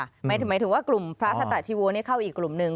หมายถึงว่ากลุ่มพระสตาชีโวนี่เข้าอีกกลุ่มหนึ่ง